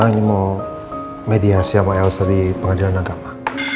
ini mau mediasi sama elsa di pengadilan agama